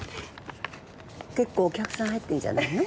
結構お客さん入ってるじゃないの。